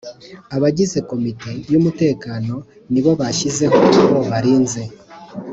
abagize Komite yumutekano nibo bashyizeho abo barinzi